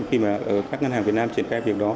khi mà các ngân hàng việt nam triển khai việc đó